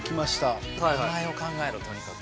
名前を考えろとにかく。